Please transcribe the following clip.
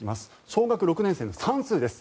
小学６年生の算数です。